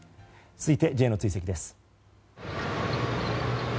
続いて、Ｊの追跡です。